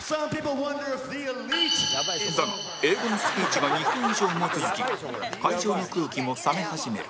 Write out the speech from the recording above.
だが英語のスピーチが２分以上も続き会場の空気も冷め始める